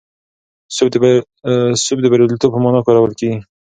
سوب د بریالیتوب په مانا کارول کېږي.